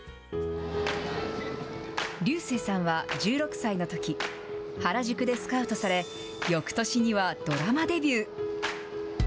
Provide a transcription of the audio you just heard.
竜星さんは１６歳のとき、原宿でスカウトされ、よくとしにはドラマデビュー。